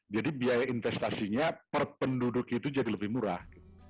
biaya investasinya per penduduk itu jadi lebih murah